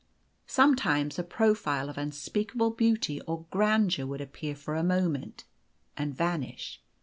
Sometimes a profile of unspeakable beauty or grandeur would appear for a moment and vanish.